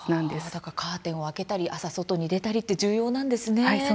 だからカーテンを開けたり朝外に出たりって重要なんですね。